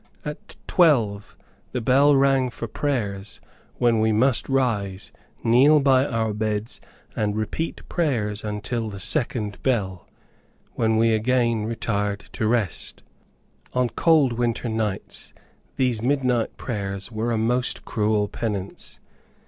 At twelve the bell rang for prayers, when we must rise, kneel by our beds, and repeat prayers until the second bell, when we again retired to rest. On cold winter nights these midnight prayers were a most cruel penance.